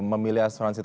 memilih asuransi tersebut